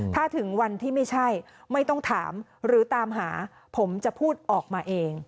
ถ้าถึงวันที่ไม่ใช่ไม่ต้องถามหรือตามหาผมจะพูดออกมาเอง